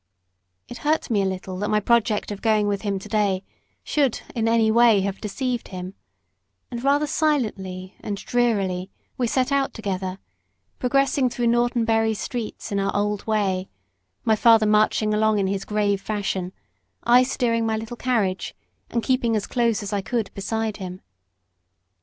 It hurt me a little that my project of going with him to day should in any way have deceived him; and rather silently and drearily we set out together; progressing through Norton Bury streets in our old way, my father marching along in his grave fashion, I steering my little carriage, and keeping as close as I could beside him.